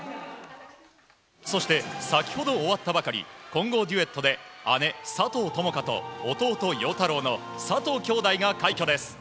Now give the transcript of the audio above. そして先ほど終わったばかり混合デュエットで姉・友花と弟・陽太郎の佐藤きょうだいが快挙です。